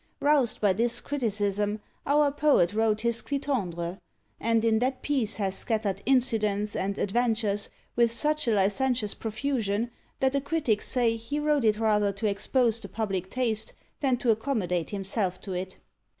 Roused by this criticism, our poet wrote his Clitandre, and in that piece has scattered incidents and adventures with such a licentious profusion, that the critics say he wrote it rather to expose the public taste than to accommodate himself to it.